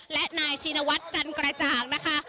และนายชินวัฒน์จันกระจ่างนะคะ